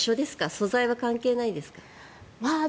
素材は関係ないですか？